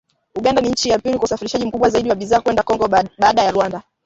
Uganda ni nchi ya pili kwa usafirishaji mkubwa zaidi wa bidhaa kwenda Kongo baada ya Rwanda